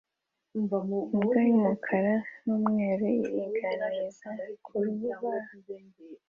Imbwa y'umukara n'umweru iringaniza ku rubaho